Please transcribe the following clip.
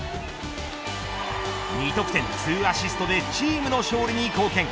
２得点２アシストでチームの勝利に貢献。